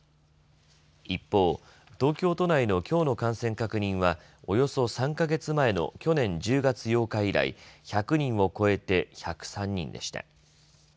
一方、東京都内のきょうの感染確認はおよそ３か月前の去年１０月８日以来１００人を超えて１０３人でした。